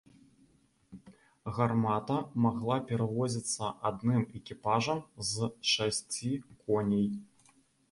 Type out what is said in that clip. Гармата магла перавозіцца адным экіпажам з шасці коней.